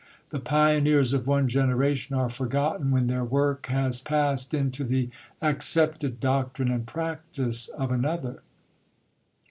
The pioneers of one generation are forgotten when their work has passed into the accepted doctrine and practice of another.